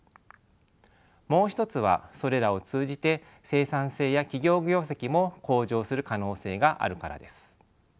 もう一つはそれらを通じて生産性や企業業績も向上する可能性があるからです。